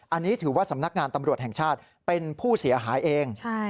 อันนี้ถือว่าสำนักงานตำรวจแห่งชาติเป็นผู้เสียหายเอง